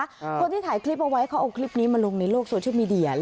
คนที่ถ่ายคลิปเอาไว้เขาเอาคลิปนี้มาลงในโลกโซเชียลมีเดีย